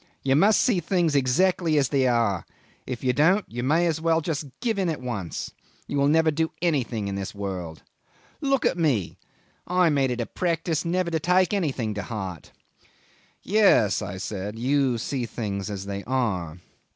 You must see things exactly as they are if you don't, you may just as well give in at once. You will never do anything in this world. Look at me. I made it a practice never to take anything to heart." "Yes," I said, "you see things as they are."